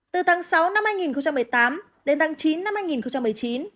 từ tháng sáu năm hai nghìn một mươi tám đến tháng chín năm hai nghìn một mươi chín